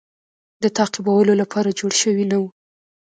د تعقیبولو لپاره جوړ شوی نه وو.